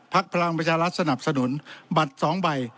พลักษณ์พลังประชารัฐสนับสนุนบัตรสองใบ